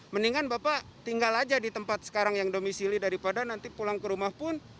mendingan bapak tinggal aja di tempat sekarang yang domisili daripada nanti pulang ke rumah pun